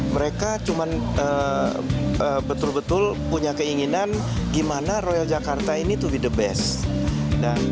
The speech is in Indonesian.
mereka cuma betul betul punya keinginan gimana royal jakarta ini to the best